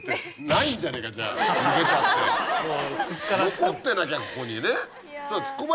残ってなきゃここにね。